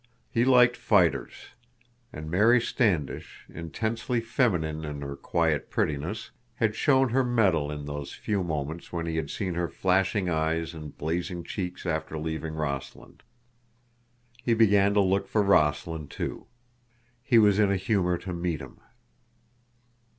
He liked fighters. And Mary Standish, intensely feminine in her quiet prettiness, had shown her mettle in those few moments when he had seen her flashing eyes and blazing cheeks after leaving Rossland. He began to look for Rossland, too. He was in a humor to meet him.